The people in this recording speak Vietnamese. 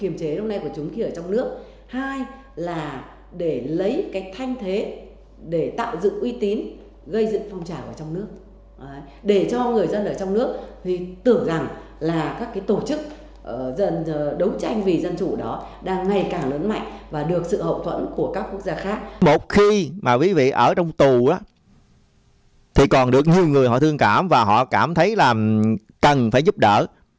một khi mà quý vị ở trong tù á thì còn được nhiều người họ thương cảm và họ cảm thấy là cần phải giúp đỡ